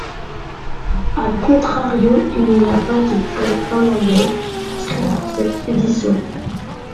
A contrario, il n'y a pas de club finlandais inscrit pour cette édition.